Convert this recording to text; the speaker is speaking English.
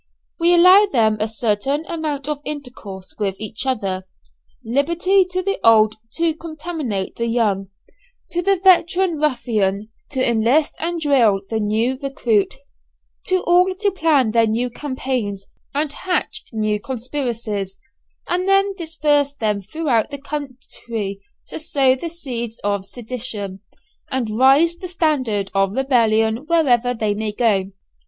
We allow them a certain amount of intercourse with each other; liberty to the old to contaminate the young; to the veteran ruffian to enlist and drill the new recruit; to all to plan their new campaigns, and hatch new conspiracies, and then disperse them throughout the country to sow the seeds of sedition, and raise the standard of rebellion wherever they may go.